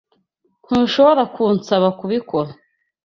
Ntushobora kunsaba kubikora.